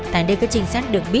tại đây các trình sát được